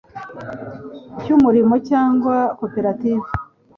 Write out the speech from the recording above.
cy umurimo cyangwa koperative